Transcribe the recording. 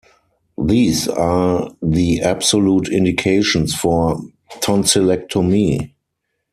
These are the absolute indications for tonsillectomy.